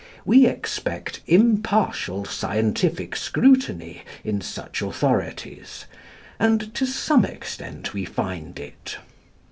We expect impartial scientific scrutiny in such authorities, and to some extent we find it.